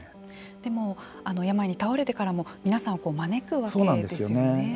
でも病に倒れてからも皆さんを招くわけですよね。